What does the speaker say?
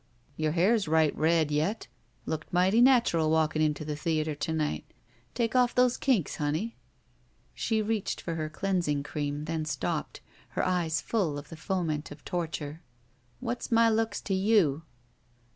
"Your hair's right red yet. Looked mighty natural walkin' into the theater to night. Take off those kinks, honey." She reached for her cleansing cream, then stopped, her eyes full of the foment of torture. "What's my looks to you?"